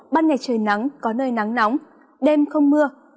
ban ngày trời nắng có nơi nắng nóng đêm không mưa